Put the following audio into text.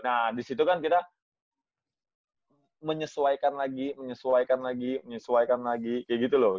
nah disitu kan kita menyesuaikan lagi menyesuaikan lagi menyesuaikan lagi kayak gitu loh